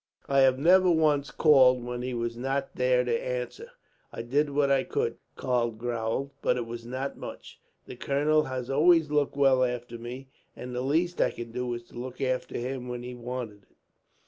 I have never once called when he was not there to answer." "I did what I could," Karl growled, "but it was not much. The colonel has always looked well after me, and the least I could do was to look after him, when he wanted it.